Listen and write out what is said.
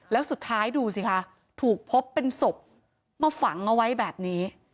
แล้วสุดท้ายดูสิคะถูกพบเป็นศพมาฝังเอาไว้แบบนี้